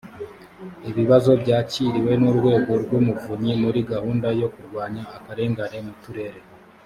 ibibazo byakiriwe n’urwego rw’umuvunyi muri gahunda yo kurwanya akarengane mu turere